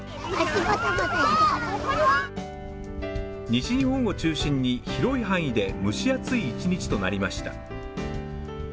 西日本を中心に広い範囲で蒸し暑い一日となりました。